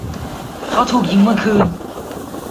เขาถูกยิงเมื่อคืน